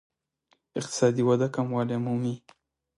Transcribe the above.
اقتصادي وده کموالی مومي.